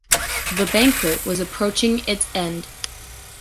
The banquet was approaching its end.